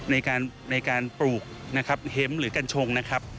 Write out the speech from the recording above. ในการปลูกเห็มหรือกัญชง